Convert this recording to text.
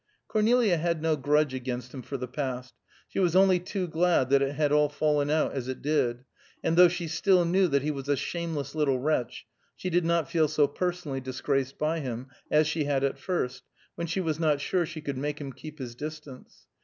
Cornelia had no grudge against him for the past. She was only too glad that it had all fallen out as it did; and though she still knew that he was a shameless little wretch, she did not feel so personally disgraced by him, as she had at first, when she was not sure she could make him keep his distance.